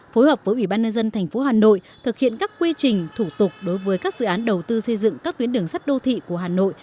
phối hợp với ubnd tp hà nội thực hiện các quy trình thủ tục đối với các dự án đầu tư xây dựng các tuyến đường sắt đô thị của hà nội